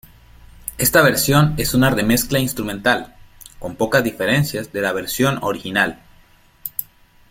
Esta versión es una remezcla instrumental, con pocas diferencias de la versión original.